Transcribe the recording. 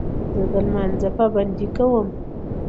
زه د لمانځه پابندي کوم.